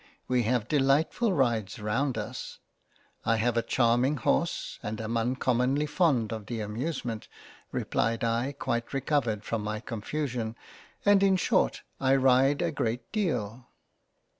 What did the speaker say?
We have delightful Rides round us, I have a Charming horse, am un commonly fond of the Amusement, replied I quite recovered from my Confusion, and in short I ride a great deal."